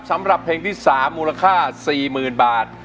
สำหรับเพลงที่๓มูลค่า๔๐๐๐บาท